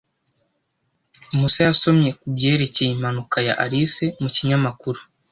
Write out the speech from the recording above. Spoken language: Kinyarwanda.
Musa yasomye kubyerekeye impanuka ya Alice mu kinyamakuru.